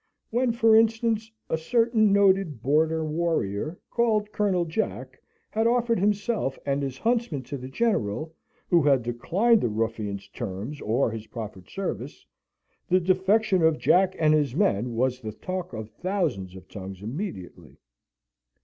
When, for instance, a certain noted border warrior, called Colonel Jack, had offered himself and his huntsmen to the General, who had declined the ruffian's terms or his proffered service, the defection of Jack and his men was the talk of thousands of tongues immediately.